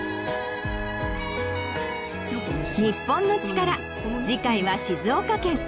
『日本のチカラ』次回は静岡県。